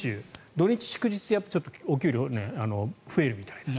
土日祝日はお給料、増えるみたいです。